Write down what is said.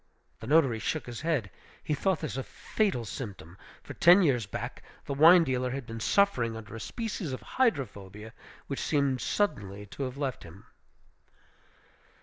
The notary shook his head; he thought this a fatal symptom; for ten years back the wine dealer had been suffering under a species of hydrophobia, which seemed suddenly to have left him.